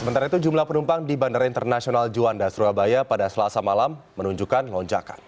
sementara itu jumlah penumpang di bandara internasional juanda surabaya pada selasa malam menunjukkan lonjakan